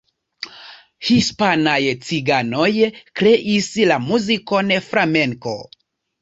Hispanaj ciganoj kreis la muzikon flamenko.